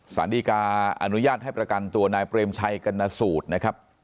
สารดีการอนุญาตให้ประกันตัวนายเปรมชัยกรณสูตรนะครับ